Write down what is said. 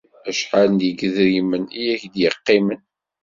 Acḥal n yedrimen i ak-d-yeqqimen?